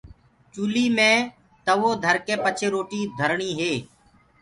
چوليٚ مي تَوو ڌرڪي پڇي روٽيٚ ڌرڻيٚ هي